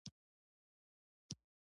نورستان ته په رسېدو د ستړیا احساس نه و.